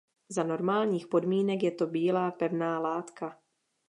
Za normálních podmínek je to bílá pevná látka.